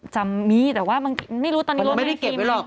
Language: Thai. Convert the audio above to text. จำมีแต่ว่าไม่รู้ไม่ได้เก็บไว้หรอก